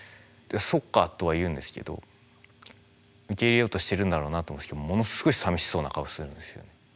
「そっか」とは言うんですけど受け入れようとしてるんだろうなと思うんですけどものすごいさみしそうな顔するんですよ。